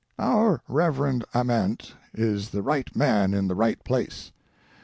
Our Keverend Ament is the right man in the right place.